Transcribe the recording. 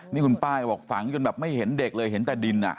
นี่คุณป้าบอกฝังจนแบบไม่เห็นเด็กเลยเห็นแต่ดิน